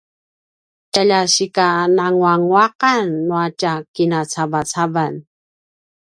tjalja sika nanguaqan nua tja kinacavacavan